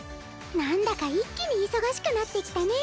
なんだか一気に忙しくなってきたね。